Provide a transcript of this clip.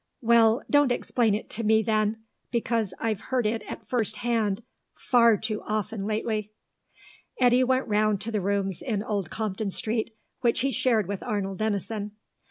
"Well, don't explain it to me, then, because I've heard it at first hand far too often lately." Eddy went round to the rooms in Old Compton Street which he shared with Arnold Denison.